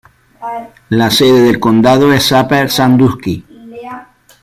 La sede del condado es Upper Sandusky.